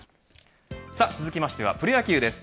続きましてはプロ野球です。